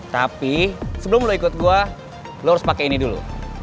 tapi sebelum lo ikut gua lo harus pakai ini dulu